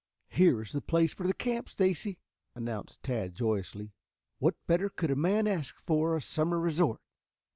"Here is the place for the camp, Stacy," announced Tad joyously. "What better could a man ask for a summer resort?"